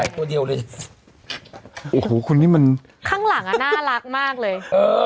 ตัวเดียวเลยโอ้โหคุณนี่มันข้างหลังอ่ะน่ารักมากเลยเออ